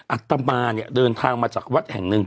อัตมาเนี่ยเดินทางมาจากวัดแห่งหนึ่ง